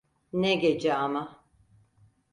Ne gece ama!